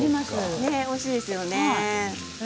おいしいですよね。